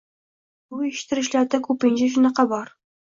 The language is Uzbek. Bu eshittirishlarda ko‘pincha shunaqa bor.